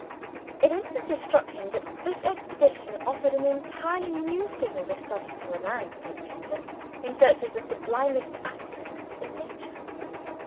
It had instantly struck him that this expedition offered an entirely new field of study to a landscape painter in search of the sublimest aspects of Nature.